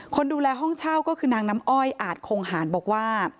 คนดูแลห้องเช่าก็คือนางน้ำอ้อยอาจคงหารบอกว่า